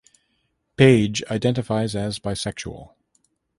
Paige identifies as bisexual.